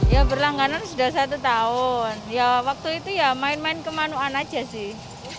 ya berlangganan sudah satu tahun ya waktu itu ya main main kemanuan aja sih